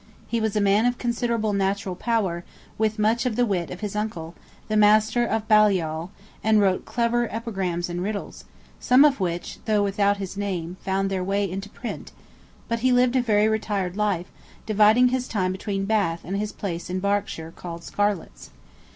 He was a man of considerable natural power, with much of the wit of his uncle, the Master of Balliol, and wrote clever epigrams and riddles, some of which, though without his name, found their way into print; but he lived a very retired life, dividing his time between Bath and his place in Berkshire called Scarlets.